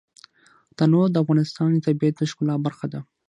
تنوع د افغانستان د طبیعت د ښکلا برخه ده.